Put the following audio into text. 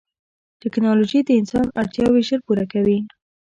ټکنالوجي د انسان اړتیاوې ژر پوره کوي.